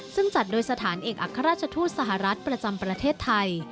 ซึ่งจัดโดยสถานเอกอัครราชทูตสหรัฐประจำประเทศไทย